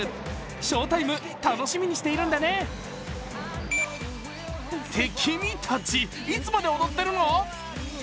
翔タイム、楽しみにしているんだねって、君たち、いつまで踊ってるの？